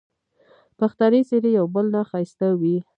پښتني څېرې یو بل نه ښایسته وې